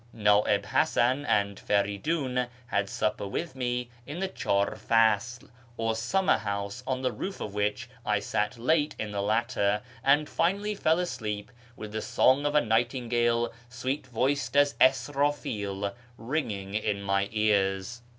Na'ib Hasan and Feridiin had supper with me in the chdr fad, or summer house, on the roof of which I sat late with the latter, and finally fell asleep, with the song of a nightingale, sweet voiced as Isriifil, ringing in my ears.